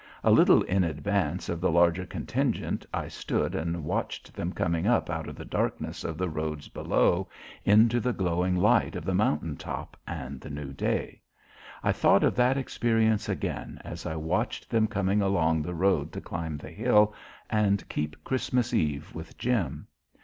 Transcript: A little in advance of the larger contingent I stood and watched them coming up out of the darkness of the roads below into the growing light of the mountain top and the new day. I thought of that experience again as I watched them coming along the road to climb the hill and keep Christmas Eve with Jim.